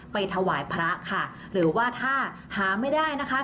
ถวายพระค่ะหรือว่าถ้าหาไม่ได้นะคะ